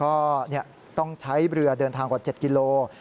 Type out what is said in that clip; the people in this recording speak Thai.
ก็ต้องใช้เรือเดินทางกว่า๗กิโล